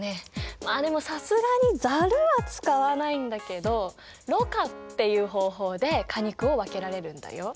まあでもさすがにざるは使わないんだけどろ過っていう方法で果肉を分けられるんだよ。